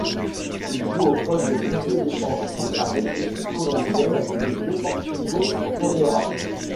Il joue au poste de milieu défensif avec l'équipe colombienne du Deportivo Pereira.